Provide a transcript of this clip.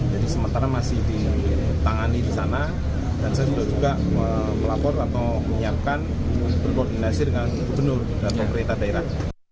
jadi sementara masih ditangani di sana dan saya sudah juga melapor atau menyiapkan berkoordinasi dengan gubernur dan pemerintah daerah